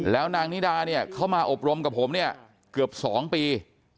แล้วนางนิดาเขามาอบรมกับผมเกือบ๒ปี